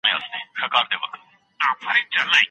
دیني مدرسو سره مرسته وکړئ.